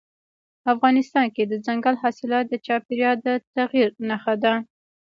افغانستان کې دځنګل حاصلات د چاپېریال د تغیر نښه ده.